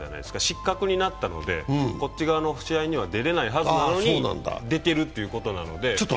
失格になったので、こっち側の試合には出れないはずなのに、出てるっていうことなので。